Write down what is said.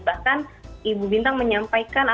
bahkan ibu bintang menyampaikan